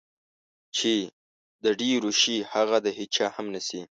چې د ډېرو شي هغه د هېچا هم نشي.